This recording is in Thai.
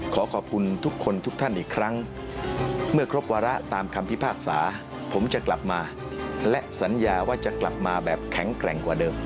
ขอขอบคุณทุกคนทุกท่านอีกครั้งเมื่อครบวาระตามคำพิพากษาผมจะกลับมาและสัญญาว่าจะกลับมาแบบแข็งแกร่งกว่าเดิม